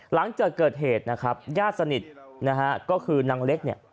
หลังจากเกิดเหตุนะครับญาติสนิทนะฮะก็คือนางเล็กเนี่ย